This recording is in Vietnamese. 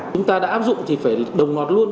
chúng ta đã áp dụng thì phải đồng loạt luôn